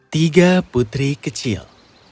tiga putri kecil